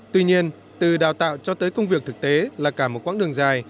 tuy nhiên từ đào tạo cho tới công việc thực tế là cả một quãng đường dài